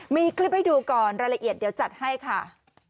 มีคลิปให้ดูก่อนรายละเอียดเดี๋ยวจัดให้ค่ะ